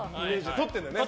撮ってるんだよね。